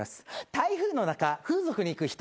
台風の中風俗に行く人。